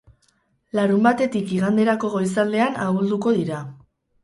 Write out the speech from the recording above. Larunbatetik iganderako goizaldean ahulduko dira.